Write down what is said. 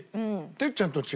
哲ちゃんと違う。